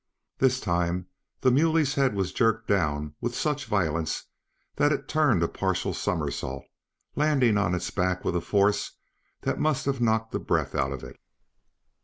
This time the muley's head was jerked down with such violence that it turned a partial somersault, landing on its back with a force that must have knocked the breath out of it.